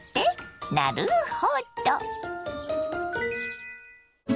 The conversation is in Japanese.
なるほど！